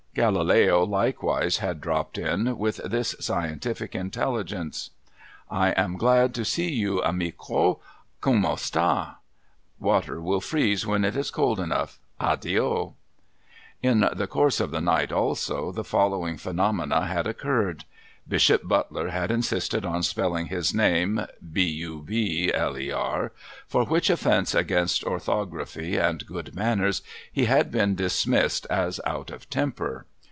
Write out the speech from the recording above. Galileo likewise had dropped in, with this scientific intelligence. ' I am glad to see you, amico. Come sta 1 Water will freeze when it is cold enough, Addio !' In the course of the night, also, the following phenomena had occurred. Bishop Butler had insisted on spelling his name, ' Bubler,' for which offence against orthography and good manners he had been dis missed as out of temper.